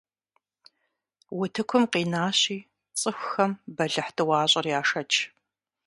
Утыкум къинащи, цӀыхухэм бэлыхь тӀуащӀэр яшэч.